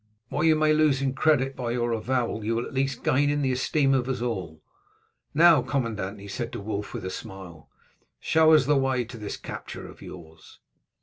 What you may lose in credit by your avowal you will at least gain in the esteem of us all. Now, commandant," he said to Wulf with a smile, "show us the way into this capture of yours."